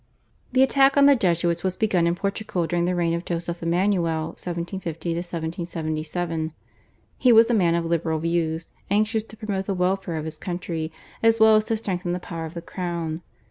The attack on the Jesuits was begun in Portugal during the reign of Joseph Emmanuel (1750 1777). He was a man of liberal views, anxious to promote the welfare of his country, as well as to strengthen the power of the crown.